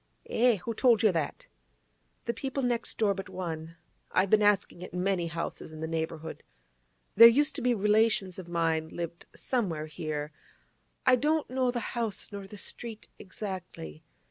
'Eh? Who told you that?' 'The people next door but one. I've been asking at many houses in the neighbourhood. There used to be relations of mine lived somewhere here; I don't know the house, nor the street exactly.